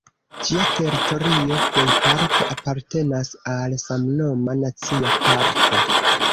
Ĝia teritorio plejparte apartenas al samnoma nacia parko.